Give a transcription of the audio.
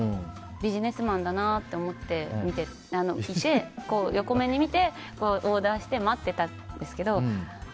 ビジネスマンだなって思って見ていて横目で見てオーダーして待っていたんですけど。